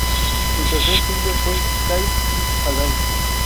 Su tercer single fue "Say It Again".